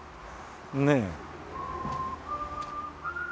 ねえ。